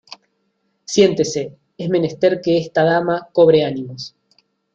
siéntense: es menester que esta dama cobre ánimos.